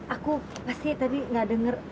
aku pasti tadi gak denger